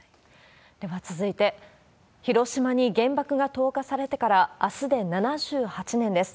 では続いて、広島に原爆が投下されてから、あすで７８年です。